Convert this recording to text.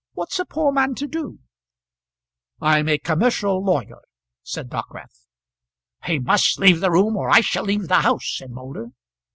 What's a poor man to do?" "I'm a commercial lawyer," said Dockwrath. "He must leave the room, or I shall leave the house," said Moulder.